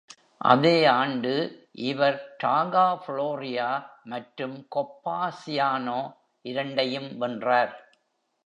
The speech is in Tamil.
அதே ஆண்டு, இவர் Targa Floria மற்றும் Coppa Ciano இரண்டையும் வென்றார்.